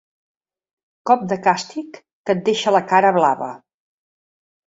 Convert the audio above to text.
Cop de càstig que et deixa la cara blava.